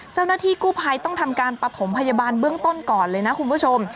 เจ้าหน้าที่กู้ภัยต้องทำการปฐมพยาบาลเบื้องต้นก่อนเลยนะคุณผู้ชม